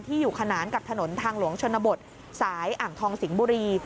อยู่ขนานกับถนนทางหลวงชนบทสายอ่างทองสิงห์บุรี